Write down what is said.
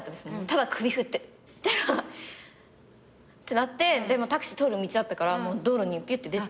ただ首振って。ってなってでもタクシー通る道だったから道路にぴゅって出て。